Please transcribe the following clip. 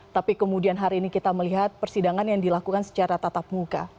tapi kemudian hari ini kita melihat persidangan yang dilakukan secara tatap muka